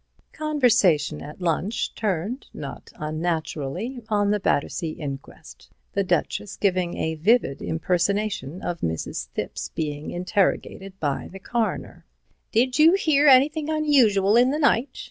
Conversation at lunch turned, not unnaturally, on the Battersea inquest, the Duchess giving a vivid impersonation of Mrs. Thipps being interrogated by the Coroner. " 'Did you hear anything unusual in the night?'